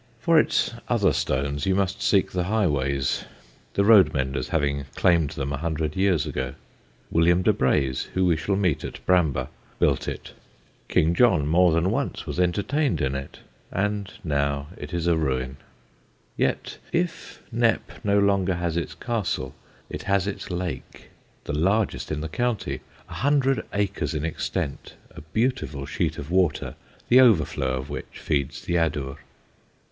For its other stones you must seek the highways, the road menders having claimed them a hundred years ago. William de Braose, whom we shall meet at Bramber, built it; King John more than once was entertained in it; and now it is a ruin. Yet if Knepp no longer has its castle, it has its lake the largest in the county, a hundred acres in extent, a beautiful sheet of water the overflow of which feeds the Adur.